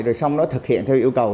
rồi xong nó thực hiện theo yêu cầu